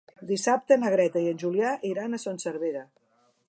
Dissabte na Greta i en Julià iran a Son Servera.